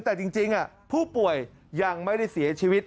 แต่จริงผู้ป่วยยังไม่ได้เสียชีวิต